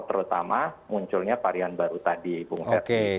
terutama munculnya varian baru tadi